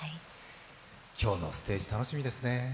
今日のステージ楽しみですね。